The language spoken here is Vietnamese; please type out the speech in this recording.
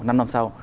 năm năm sau